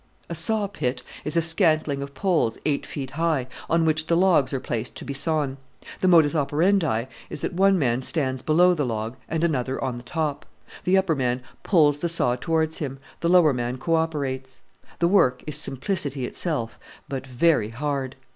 A saw "pit" is a scantling of poles eight feet high, on which the logs are placed to be sawn. The modus operandi is that one man stands below the log and another on the top: the upper man pulls the saw towards him, the lower man co operates. The work is simplicity itself, but very hard.